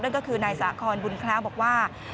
นั่นก็คือนายสาขนบูนคราวบอกว่า